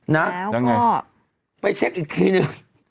ยังไงก็ไปเช็คอีกทีนึง